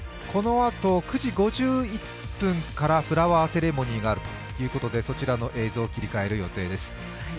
このあと９時５１分からフラワーセレモニーがあるということでそちらの映像に切り替える予定です。